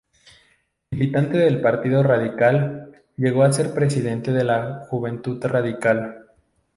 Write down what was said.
Militante del Partido Radical, llegó a ser presidente de la Juventud Radical.